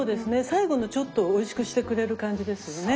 最後のちょっとおいしくしてくれる感じですよね。